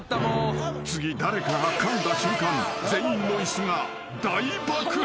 ［次誰かがかんだ瞬間全員の椅子が大爆発］